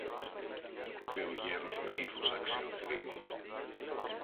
είπε ο γέρος με ύφος αξιοθρήνητο.